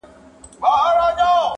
یو ډاکټر له لیری راغی د ده خواله-